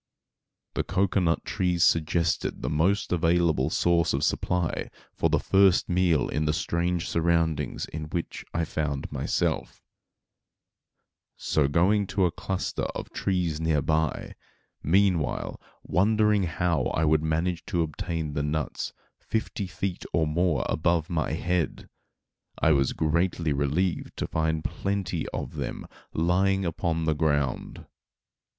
The cocoanut trees suggested the most available source of supply for the first meal in the strange surroundings in which I found myself; so going to a cluster of the trees near by, meanwhile wondering how I would manage to obtain the nuts fifty feet or more above my head, I was greatly relieved to find plenty of them lying upon the ground.